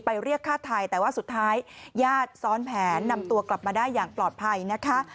เรียกฆ่าไทยแต่ว่าสุดท้ายญาติซ้อนแผนนำตัวกลับมาได้อย่างปลอดภัยนะคะ